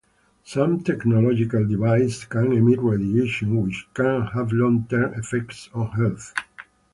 Some technological devices can emit radiation which can have long-term effects on health.